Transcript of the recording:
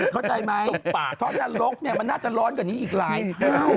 เข้าใจไหมเพราะนรกมันน่าจะร้อนกว่านี้อีกหลายเท่า